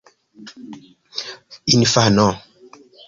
infano